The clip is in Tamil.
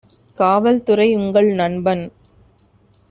காவல்துறை உங்கள் நண்பன்